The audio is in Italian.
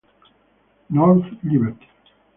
North Liberty